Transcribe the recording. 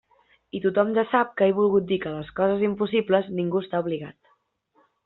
I tothom ja sap que he volgut dir que a les coses impossibles ningú està obligat.